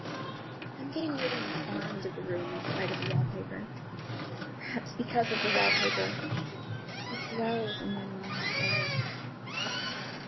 I'm getting really fond of the room in spite of the wallpaper. Perhaps because of the wallpaper. It dwells in my mind so!